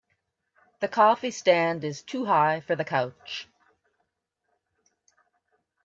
The coffee stand is too high for the couch.